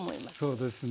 そうですね。